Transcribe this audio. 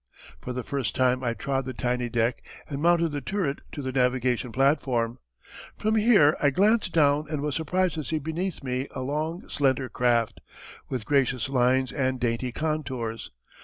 For the first time I trod the tiny deck and mounted the turret to the navigation platform. From here I glanced down and was surprised to see beneath me a long, slender craft with gracious lines and dainty contours.